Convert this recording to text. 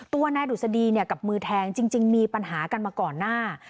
ตัวนายดุษฎีกับมือแทงจริงมีปัญหากันมาก่อนหน้า